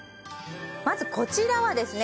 まずこちらはですね